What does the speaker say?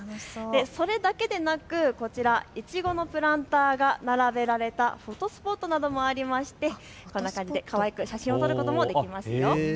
それだけでなく、こちらいちごのプランターが並べられたフォトスポットなどもありましてこんな感じでかわいく写真を撮ることもできますよ。